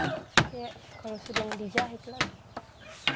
iya kalau sudah dijahit